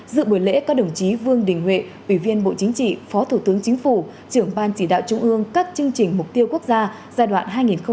dự buổi lễ có đồng chí vương đình huệ ủy viên bộ chính trị phó thủ tướng chính phủ trưởng ban chỉ đạo trung ương các chương trình mục tiêu quốc gia giai đoạn hai nghìn một mươi sáu hai nghìn hai mươi